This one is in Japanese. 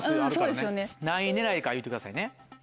何位狙いか言うてくださいね。